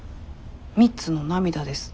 ３つの涙です。